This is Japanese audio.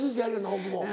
大久保。